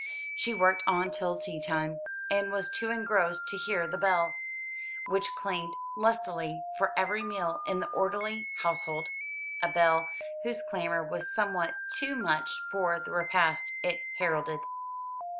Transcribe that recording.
She worked on till tea time, and was too engrossed to hear the bell, which clanged lustily for every meal in the orderly household: a bell whose clamour was somewhat too much for the repast it heralded.